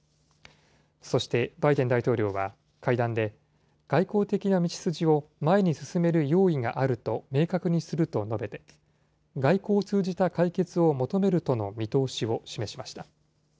そしてバイデン大統領は会談で、外交的な道筋を前に進める用意があると明確にすると述べて、外交を通じた解決を求めるとの見通しを示しました。